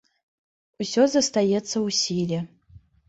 Усё застаецца ў сіле.